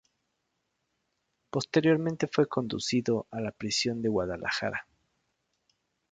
Posteriormente fue conducido a la prisión de Guadalajara.